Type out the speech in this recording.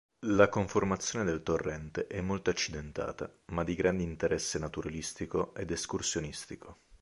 La conformazione del torrente è molto accidentata, ma di grande interesse naturalistico ed escursionistico.